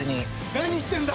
何言ってんだ！